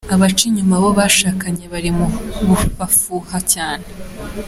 Abaca inyuma abo bashakanye bari mu bafuha cyane.